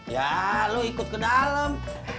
ya lo ikut ke dalam